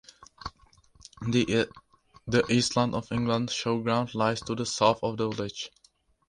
The East of England Showground lies to the south of the village.